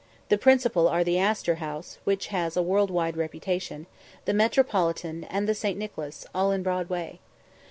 The principal are the Astor House (which has a world wide reputation), the Metropolitan, and the St. Nicholas, all in Broadway.